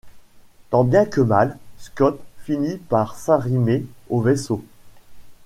Tant bien que mal, Scott finit par s'arrimer au vaisseau.